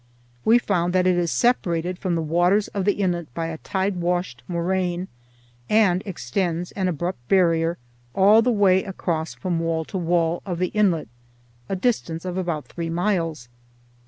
We found that it is separated from the waters of the inlet by a tide washed moraine, and extends, an abrupt barrier, all the way across from wall to wall of the inlet, a distance of about three miles.